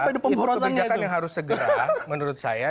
itu kebijakan yang harus segera menurut saya